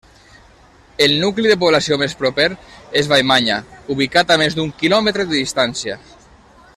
El nucli de població més proper és Vallmanya, ubicat a més d'un quilòmetre de distància.